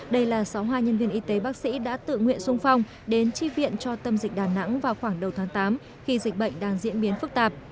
đây là sáu hai nhân viên y tế bác sĩ đã tự nguyện sung phong đến chi viện cho tâm dịch đà nẵng vào khoảng đầu tháng tám khi dịch bệnh đang diễn biến phức tạp